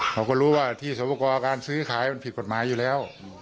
เขาก็รู้ว่าที่สวปกรการซื้อขายมันผิดกฎหมายอยู่แล้ว